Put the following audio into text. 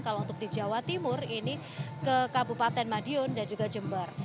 kalau untuk di jawa timur ini ke kabupaten madiun dan juga jember